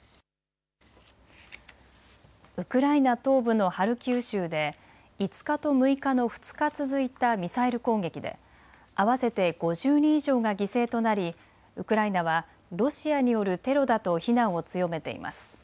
ウクライナ東部のハルキウ州で５日と６日の２日続いたミサイル攻撃で合わせて５０人以上が犠牲となりウクライナはロシアによるテロだと非難を強めています。